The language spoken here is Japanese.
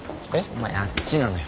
お前あっちなのよ